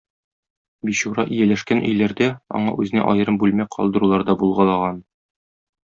Бичура ияләшкән өйләрдә аңа үзенә аерым бүлмә калдырулар да булгалаган.